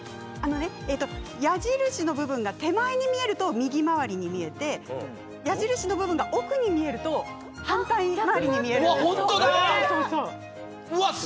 矢印の部分が手前に見えると右回りに見えて矢印の部分が奥に見えると反対回りに見えるんです。